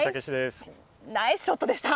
ナイスショットでした。